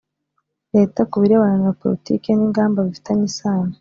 Leta ku birebana na politiki n ingamba bifitanye isano